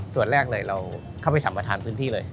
ส่วนแรกเลยเราเข้าไปสัมประธานพื้นที่เลย